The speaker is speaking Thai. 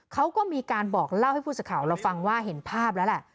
เขาก็มีการบอกเล่าให้ผู้สื่อข่าวเราฟังว่าเห็นภาพแล้วแหละ